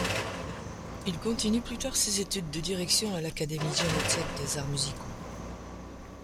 Il continue plus tard ses études de direction à l'Académie Janáček des arts musicaux.